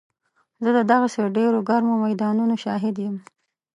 زه د دغسې ډېرو ګرمو میدانونو شاهد یم.